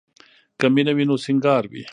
که مینه وي نو سینګار وي.